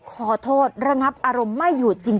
ขอโทษแล้วครับอารมณ์ไม่หยุดจริง